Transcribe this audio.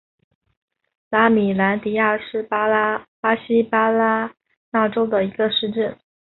拉米兰迪亚是巴西巴拉那州的一个市镇。